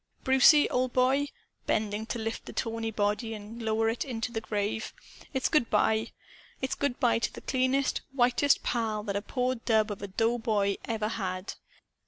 "Brucie, old boy," bending to lift the tawny body and lower it into the grave, "it's good by. It's good by to the cleanest, whitest pal that a poor dub of a doughboy ever had.